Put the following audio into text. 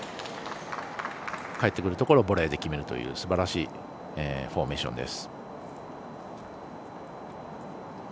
返ってくるところをボレーで決めるというすばらしいフォーメーションです。